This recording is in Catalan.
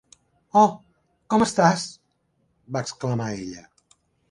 "Oh, com estàs!" va exclamar ella.